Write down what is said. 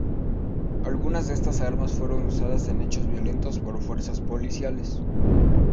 Algunas de estas armas fueron usadas en hechos violentos por fuerzas policiales.